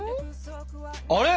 あれ？